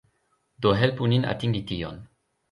Do helpu nin atingi tion